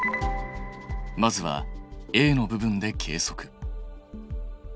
まずはＡの部分で計測。